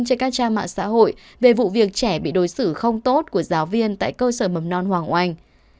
trên các trang mạng xã hội về vụ việc trẻ bị đối xử không tốt của giáo viên tại cơ sở mầm non hoàng oanh